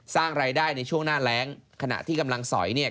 สร้างรายได้ในช่วงหน้าแรงขณะที่กำลังสอยเนี่ย